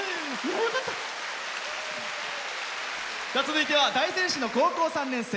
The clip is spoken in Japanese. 続いては大仙市の高校３年生。